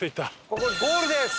ここゴールです。